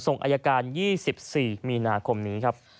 ส่งอายการ๒๔มีนาคมนี้ครับ